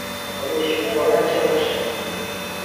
abeshyuzwa na censha.